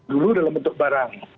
dulu dalam bentuk barang